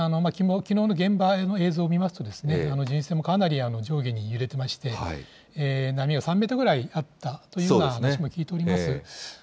きのうの現場の映像を見ますと、巡視船もかなり上下に揺れてまして、波は３メートルぐらいあったというような話も聞いております。